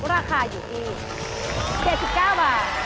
ราคาอยู่ที่๗๙บาท